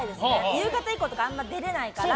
夕方以降とかあんま出れないから。